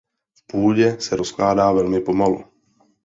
V půdě se rozkládá velmi pomalu.